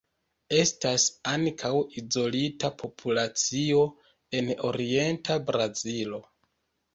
Estas ankaŭ izolita populacio en orienta Brazilo.